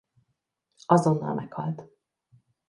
Azonnal meghalt.